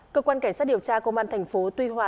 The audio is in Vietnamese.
cơ quan cảnh sát điều tra công an thành phố tuy hòa